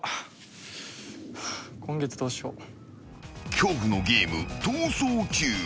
［恐怖のゲーム『逃走中』］